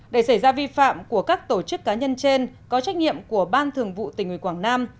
để xảy ra vi phạm của các tổ chức cá nhân trên có trách nhiệm của ban thường vụ tỉnh ủy quảng nam